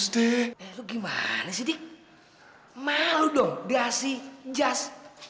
bapak bonan udah sehat